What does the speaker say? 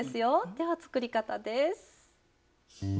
では作り方です。